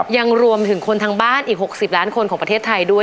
ยังรวมถึงคนทางบ้านอีกหกสิบล้านคนของประเทศไทย